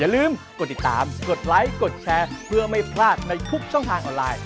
ไลค์กดแชร์เพื่อไม่พลาดในทุกช่องทางออนไลน์